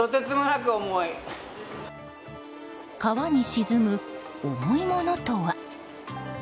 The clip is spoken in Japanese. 川に沈む重いものとは？